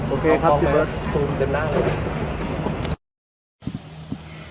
โอเคครับพี่เบิร์ตซูมเต็มหน้าเลย